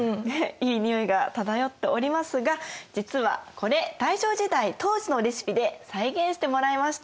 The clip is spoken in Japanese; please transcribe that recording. いい匂いが漂っておりますが実はこれ大正時代当時のレシピで再現してもらいました。